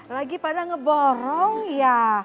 lagi pada ngeborong ya